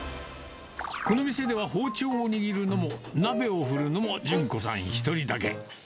この店では、包丁を握るのも、鍋を振るのも順子さん一人だけ。